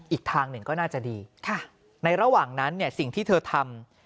อีกทางหนึ่งก็น่าจะดีในระหว่างนั้นเนี่ยสิ่งที่เธอทำ